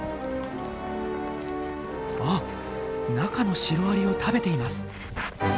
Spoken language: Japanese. あっ中のシロアリを食べています。